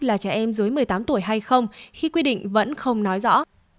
là trẻ em dưới một mươi tám tuổi hay không khi quy định vẫn không nói rõ